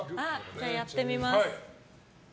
じゃあやってみます。